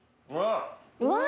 うわ！